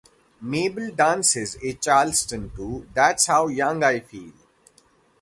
Mabel dances a Charleston to "That's How Young I Feel".